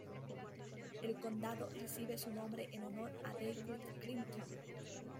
El condado recibe su nombre en honor a DeWitt Clinton.